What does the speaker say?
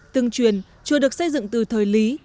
từng truyền chùa được xây dựng từ thời lý